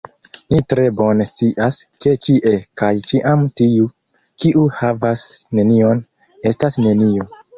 Ni tre bone scias, ke ĉie kaj ĉiam tiu, kiu havas nenion, estas nenio.